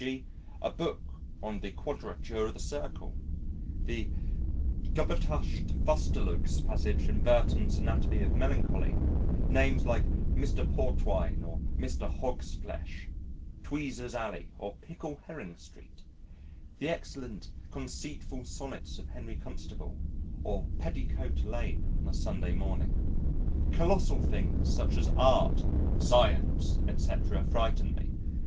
g._, a book on the quadrature of the circle, the gabbertushed fustilugs passage in Burton's Anatomy of Melancholy, names like Mr. Portwine or Mr. Hogsflesh, Tweezer's Alley or Pickle Herring Street, the excellent, conceitful sonnets of Henry Constable or Petticoat Lane on a Sunday morning. Colossal things such as Art, Science, etc., frighten me.